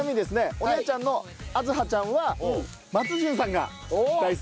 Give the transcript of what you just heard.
お姉ちゃんの明日葉ちゃんは松潤さんが大好き。